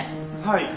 はい。